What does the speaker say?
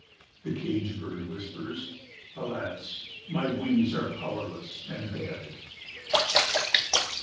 The cage bird whispers, "Alas, my wings are powerless and dead."